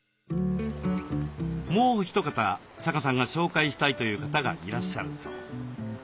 もうお一方阪さんが紹介したいという方がいらっしゃるそう。